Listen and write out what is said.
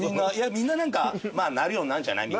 みんななるようになるんじゃないみたいな。